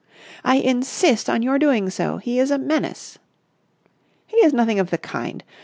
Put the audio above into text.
"I insist on your doing so. He is a menace." "He is nothing of the kind.